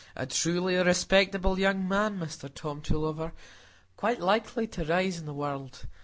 A truly respectable young man, Mr Tom Tulliver; quite likely to rise in the world!